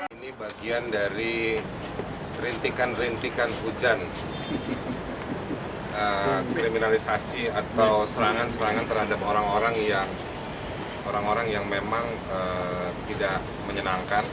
ini bagian dari rintikan rintikan hujan kriminalisasi atau serangan serangan terhadap orang orang yang memang tidak menyenangkan